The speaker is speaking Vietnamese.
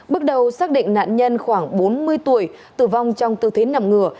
bước đầu xác định nạn nhân khoảng bốn mươi tuổi tử vong trong tư thế nằm ngửa